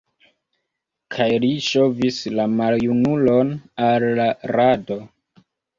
Kaj li ŝovis la maljunulon al la rado.